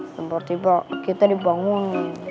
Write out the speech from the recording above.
tiba tiba kita dibangun